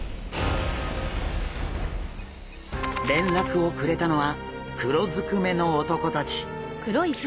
連絡をくれたのは黒ずくめの男たち。